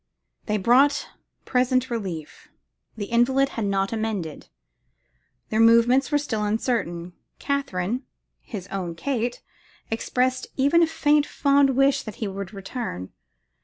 They brought present relief. The invalid had not amended; their movements were still uncertain. Katherine, 'his own Kate,' expressed even a faint fond wish that he would return.